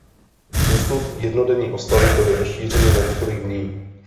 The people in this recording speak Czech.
Dosud jednodenní oslavy byly rozšířeny na několik dní.